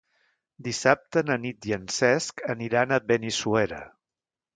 Dissabte na Nit i en Cesc aniran a Benissuera.